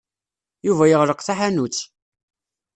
Yuba yeɣleq taḥanut.